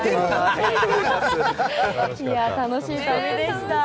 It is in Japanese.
楽しい旅でした。